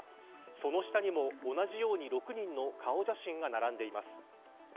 その下にも同じように６人の顔写真が並んでいます。